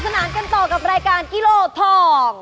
กลับมาสนุกสนานกันต่อกับรายการที่โล่ทอง